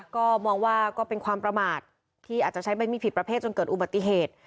ก็มองว่าก็เป็นความประมาทที่อาจจะใช้ไม่มีผิดประเภทจนเกิดอุบัติเหตุ